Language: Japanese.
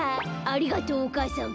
「ありがとうお母さん。